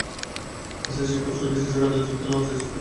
স্থায়ী শিক্ষক ছুটি শেষে কাজে যোগ দিলে অস্থায়ী শিক্ষক চলে আসবেন।